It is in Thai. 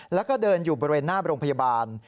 แล้วก็เดินอยู่บริเวณหน้าโรงพยาบาล